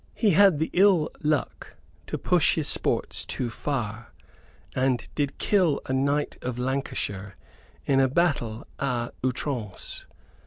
He had the ill luck to push his sports too far; and did kill a knight of Lancashire in a battle à outrance.